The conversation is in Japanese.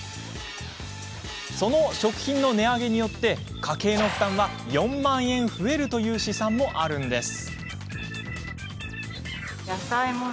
その食品の値上げによって家計の負担は、４万円増えるという試算もあるんです。